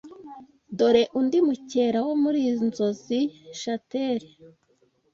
Dore undi mukera wo muri "Inzozi Shatere